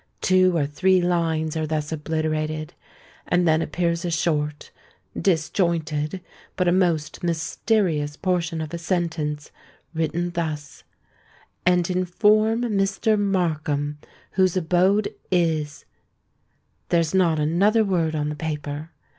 Two or three lines are thus obliterated; and then appears a short—disjointed—but a most mysterious portion of a sentence, written thus:—'and inform Mr. Markham, whose abode is——.' There's not another word on the paper!"